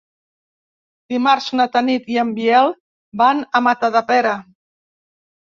Dimarts na Tanit i en Biel van a Matadepera.